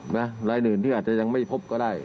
รายอื่นที่อาจจะยังไม่พบก็ได้